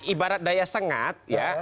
ibarat daya sengat